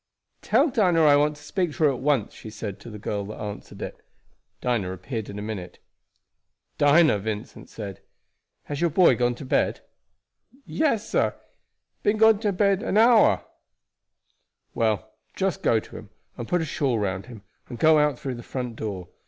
"Tell Dinah I want to speak to her at once," she said to the girl that answered it. Dinah appeared in a minute. "Dinah," Vincent said, "has your boy gone to bed?" "Yes, sah; been gone an hour ago." "Well, just go to him, and put a shawl round him, and go out through the front door.